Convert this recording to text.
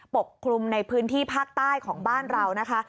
ปกคลุมในพื้นที่ภาคใต้ของบ้านเรานะคะ